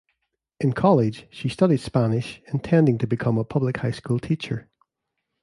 In college, she studied Spanish, intending to become a public high school teacher.